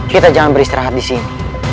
kita jangan beristirahat disini